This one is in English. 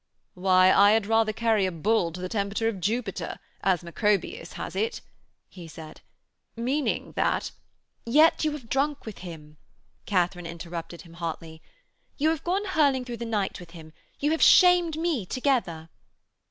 'Why, I had rather carry a bull to the temple of Jupiter, as Macrobius has it,' he said, 'meaning that....' 'Yet you have drunk with him,' Katharine interrupted him hotly, 'you have gone hurling through the night with him. You have shamed me together.'